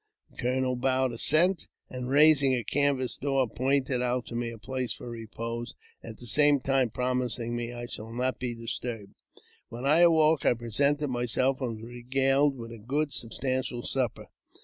The colonel bowed assent, and, raising a canvas door, pointed out to me a place for repose, at the same time promising me I should not be disturbed. When I awoke, I presented myself, and was regaled with a good substantial supper.